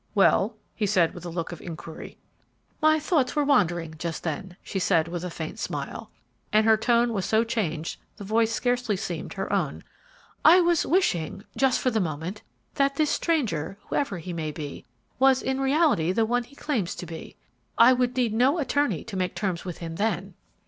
"Well?" he said, with a look of inquiry. "My thoughts were wandering just then," she said, with a faint smile, and her tone was so changed the voice scarcely seemed her own. "I was wishing, just for the moment, that this stranger, whoever he may be, was in reality the one he claims to be. I would need no attorney to make terms with him then!"